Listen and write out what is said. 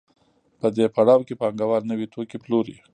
په دې پړاو کې پانګوال نوي توکي پلوري